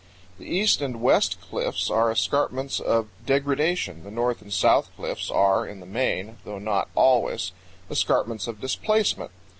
The east and west cliffs are escarpments of degradation, the north and south cliffs are, in the main, though not always, escarpments of displacement.